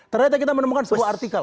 ternyata kita menemukan sebuah artikel